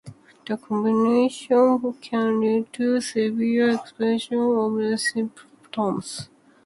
The combination can lead to severe exacerbation of the symptoms.